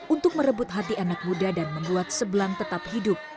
untuk merebut hati anak muda dan membuat sebelang tetap hidup